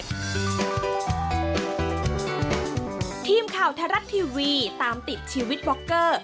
ทีมข่าวไทยรัฐทีวีตามติดชีวิตว็อกเกอร์